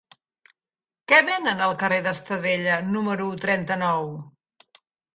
Què venen al carrer d'Estadella número trenta-nou?